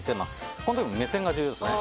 この時も目線が重要ですね。